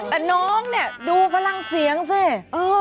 แต่น้องดูพลังเสียงสิ